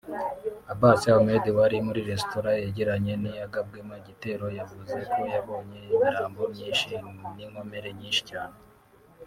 Abas Ahmed wari muri restaurant yegeranye n’iyagabwemo igitero yavuze ko yabonye imirambo myinshi n’inkomere nyinshi cyane